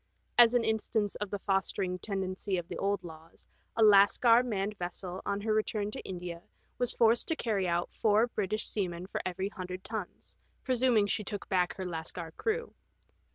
As an instance of the fostering tendency of the old laws, a Lascar manned vessel on her return to India was forced to carry out four British seamen for every hundred tons, presuming she took back her Lascar crew.